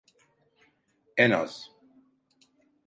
En az.